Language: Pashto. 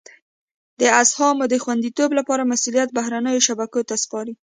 د اسهامو د خوندیتوب لپاره مسولیت بهرنیو شبکو ته سپاري.